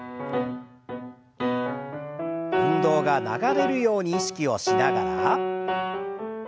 運動が流れるように意識をしながら。